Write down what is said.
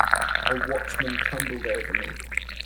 A watchman tumbled over me.